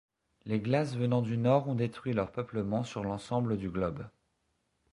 Les glaces venant du Nord ont détruit leur peuplement sur l'ensemble du globe.